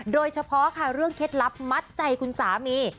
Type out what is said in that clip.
โดยเฉพาะค่ะเรื่องเคล็ดลับมัดใจคุณสามี